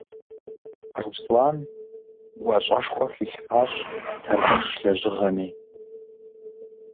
Руслан гуащӀэшхуэ хилъхьащ тэрмэш лэжьыгъэми.